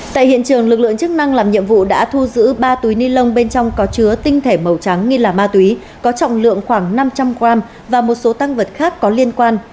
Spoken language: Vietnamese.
tại hiện trường lực lượng chức năng làm nhiệm vụ đã thu giữ ba túi ni lông bên trong có chứa tinh thể màu trắng nghi là ma túy có trọng lượng khoảng năm trăm linh g và một số tăng vật khác có liên quan